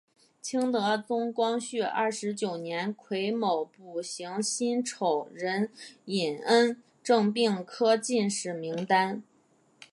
清德宗光绪二十九年癸卯补行辛丑壬寅恩正并科进士名单。